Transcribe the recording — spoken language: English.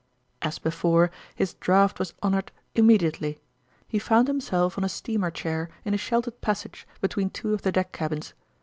... As before, his draft was honored immedi ately ; he found himself on a steamer chair in a sheltered passage between two of the deck cabins.